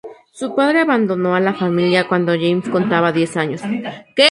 Su padre abandonó a la familia cuando James contaba diez años.